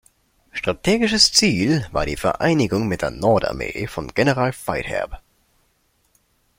Strategisches Ziel war die Vereinigung mit der Nordarmee von General Faidherbe.